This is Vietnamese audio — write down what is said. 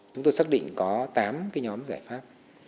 chúng tôi xác định có tám cái nhóm giải pháp